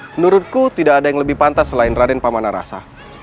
menurutku tidak ada yang lebih pantas selain raden pamanarasa